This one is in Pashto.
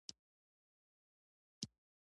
ایا ستاسو خولۍ به پر سر نه وي؟